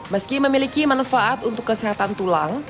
meski memiliki manfaat untuk kesehatan tulang